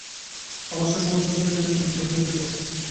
আমার সমস্ত শরীর যেন কুঞ্চিত হইয়া উঠিল।